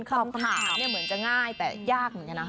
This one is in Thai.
คำถามเนี่ยเหมือนจะง่ายแต่ยากเหมือนกันนะ